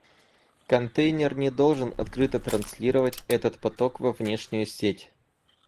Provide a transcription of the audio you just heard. Контейнер не должен открыто транслировать этот поток во внешнюю сеть